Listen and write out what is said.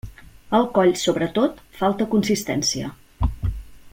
Al coll sobretot, falta consistència.